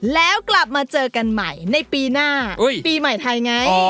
แล้วกลับมาเจอกันใหม่ในปีหน้าปีใหม่ไทยไง